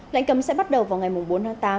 lãnh cấm sẽ bắt đầu vào ngày bốn tháng tám